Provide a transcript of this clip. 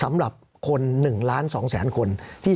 สำหรับกำลังการผลิตหน้ากากอนามัย